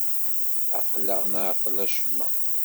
Aql-aɣ nɛeṭṭel acemma.